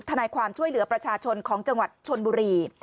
นายความช่วยเหลือประชาชนของจังหวัดชนบุรี